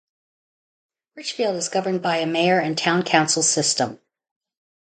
Richfield is governed by a mayor and town council system.